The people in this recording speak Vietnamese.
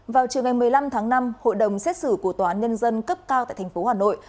vào chiều ngày một mươi năm tháng năm hội đồng xét xử của tòa án nhân dân cấp cao tại tp hà nội